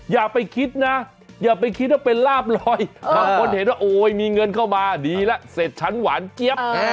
อย่าไปคิดนะอย่าไปคิดว่าเป็นลาบลอยบางคนเห็นว่าโอ้ยมีเงินเข้ามาดีแล้วเสร็จฉันหวานเจี๊ยบ